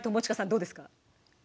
どうですか？